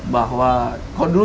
bahwa kalau dulu